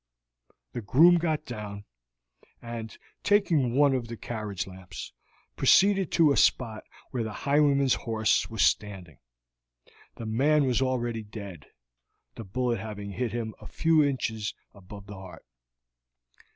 The groom got down, and, taking one of the carriage lamps, proceeded to a spot where the highwayman's horse was standing. The man was already dead, the bullet having hit him a few inches above the heart.